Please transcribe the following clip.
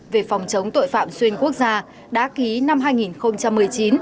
về phòng chống tội phạm xuyên quốc gia đã ký năm hai nghìn một mươi chín